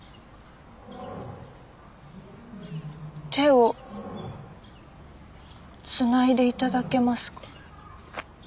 手をつないで頂けますか？